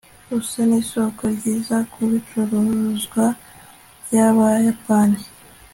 usa nisoko ryiza kubicuruzwa byabayapani